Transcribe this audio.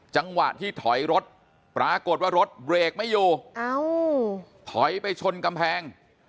จังหวะที่ถอยรถปรากฏว่ารถเบรกไม่อยู่ถอยไปชนกำแพง